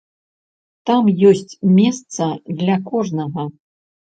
Там ёсць месца для кожнага.